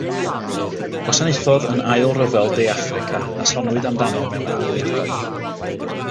Gwasanaethodd yn Ail Ryfel De Affrica a soniwyd amdano mewn adroddiadau.